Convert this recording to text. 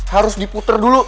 harus diputer dulu